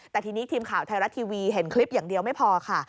แต่ทีนี้ทีมข่าวไทยรัฐทีวีเห็นคลิปอย่างเดียวไม่พอค่ะ